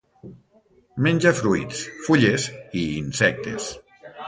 Menja fruits, fulles i insectes.